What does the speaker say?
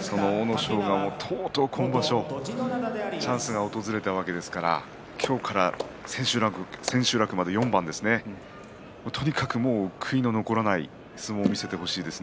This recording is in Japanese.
その阿武咲が、とうとう今場所チャンスが訪れたわけですから今日から千秋楽まで４番ですねとにかく悔いの残らない相撲を見せてほしいですね。